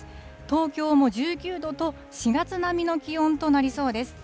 東京も１９度と、４月並みの気温となりそうです。